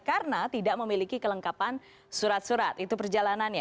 karena tidak memiliki kelengkapan surat surat itu perjalanannya